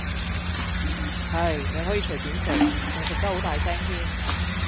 係，你可以隨便食，仲食得好大聲添